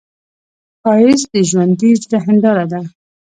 ښایست د ژوندي زړه هنداره ده